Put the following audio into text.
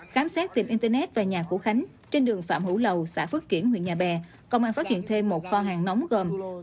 khám xét tiệm internet và nhà của khánh trên đường phạm hữu lầu xã phước kiển huyện nhà bè công an phát hiện thêm một kho hàng nóng gồm